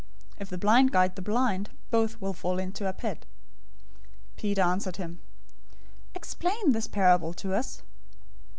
If the blind guide the blind, both will fall into a pit." 015:015 Peter answered him, "Explain the parable to us."